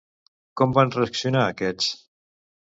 Com van reaccionar aquests?